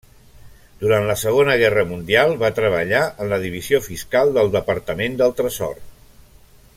Durant la Segona Guerra Mundial va treballar en la divisió Fiscal del Departament del Tresor.